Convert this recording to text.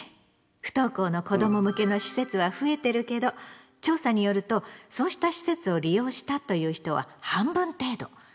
不登校の子ども向けの施設は増えてるけど調査によるとそうした施設を利用したという人は半分程度。